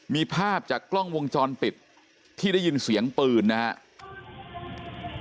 มีภาพจากกล้องวงจรปิดที่ได้ยินเสียงปืนนะครับ